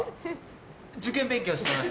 受験勉強してます。